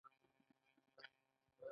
دلته د سوداګریزې پانګې او ګټې په اړه وایو